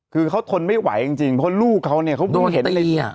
คือเขาทนไม่ไหวจริงจริงเพราะลูกเขาเนี้ยเขาเห็นโดนตีอ่ะ